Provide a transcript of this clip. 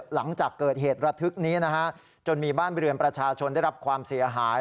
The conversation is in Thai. หลังจากเกิดเหตุระทึกนี้นะฮะจนมีบ้านเรือนประชาชนได้รับความเสียหาย